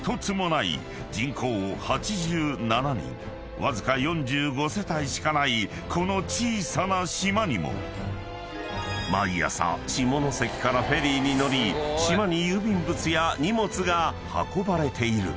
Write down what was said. ［わずか４５世帯しかないこの小さな島にも毎朝下関からフェリーに乗り島に郵便物や荷物が運ばれている］